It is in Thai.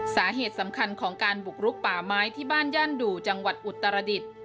สาเหตุสำคัญของการบุกรุกป่าไม้ที่บ้านย่านดู่จังหวัดอุตรดิษฐ์